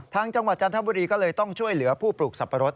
จังหวัดจันทบุรีก็เลยต้องช่วยเหลือผู้ปลูกสับปะรด